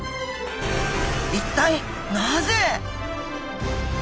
一体なぜ？